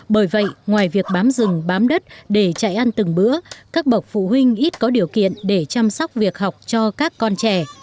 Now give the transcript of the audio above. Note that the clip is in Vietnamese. bởi vậy ngoài việc bám rừng bám đất để chạy ăn từng bữa các bậc phụ huynh ít có điều kiện để chăm sóc việc học cho các con trẻ